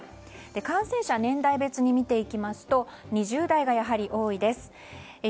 感染者を年代別に見ていきますと２０代がやはり多いです。